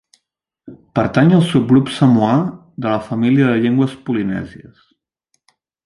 Pertany al subgrup samoà de la família de llengües polinèsies.